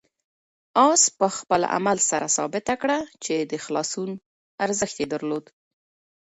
آس په خپل عمل سره ثابته کړه چې د خلاصون ارزښت یې درلود.